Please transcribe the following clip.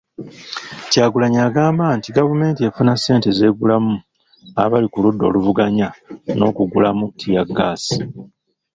Kyagulanyi agamba nti gavumenti efuna ssente z'egulamu abali ku ludda oluvuganya n'okugulamu ttiyaggaasi.